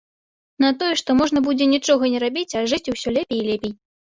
На тое, што можна будзе нічога не рабіць, а жыць усё лепей і лепей.